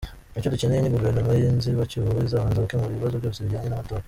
Icyo dukeneye ni Guverinoma y’inzibacyuho izabanza gukemura ibibazo byose bijyanye n’amatora.